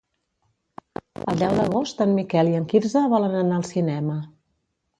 El deu d'agost en Miquel i en Quirze volen anar al cinema.